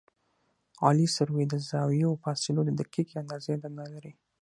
عالي سروې د زاویو او فاصلو د دقیقې اندازې دنده لري